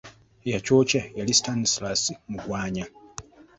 Eyakyokya yali Stanslas Mugwanya.